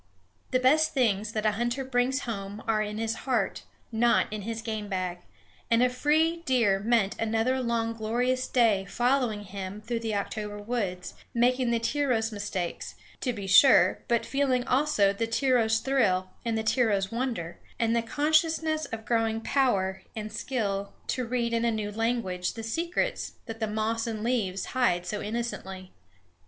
The best things that a hunter brings home are in his heart, not in his game bag; and a free deer meant another long glorious day following him through the October woods, making the tyro's mistakes, to be sure, but feeling also the tyro's thrill and the tyro's wonder, and the consciousness of growing power and skill to read in a new language the secrets that the moss and leaves hide so innocently.